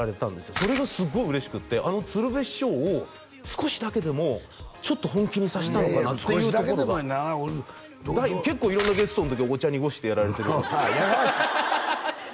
それがすごい嬉しくてあの鶴瓶師匠を少しだけでもちょっと本気にさせたのかなっていうところが結構色んなゲストの時お茶濁してやられてるからやかましい！